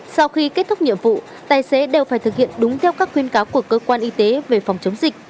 sau khi kết thúc nhiệm vụ tài xế đều phải thực hiện đúng theo các khuyên cáo của cơ quan y tế về phòng chống dịch